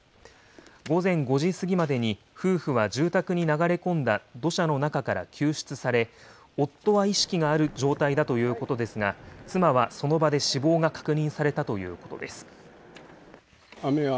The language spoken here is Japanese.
午前５時過ぎまでに夫婦は住宅に流れ込んだ土砂の中から救出され、夫は意識がある状態だということですが、妻はその場で死亡が確認